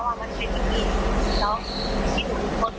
ว่าคนเอ้อทุกคนที่เห็นนะ